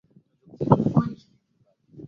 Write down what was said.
yote yalianza miaka mitano iliyopita